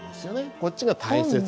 こっちが大切な。